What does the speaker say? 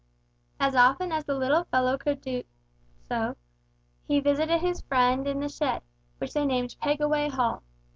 As often as the little fellow could manage to do so, he visited his friend in the shed, which they named Pegaway Hall.